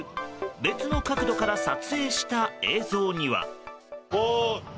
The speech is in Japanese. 別の角度から撮影した映像には。